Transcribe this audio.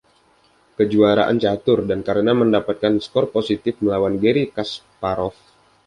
Kejuaraan Catur, dan karena mendapatkan skor positif melawan Garry Kasparov.